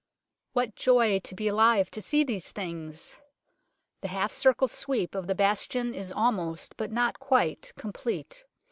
30 UNKNOWN LONDON What joy to be alive to see these things ! The half circle sweep of the bastion is almost, but not quite, complete.